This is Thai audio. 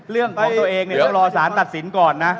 ของตัวเองเนี่ยต้องรอสารตัดสินก่อนนะ